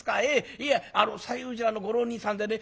いや西應寺裏のご浪人さんでね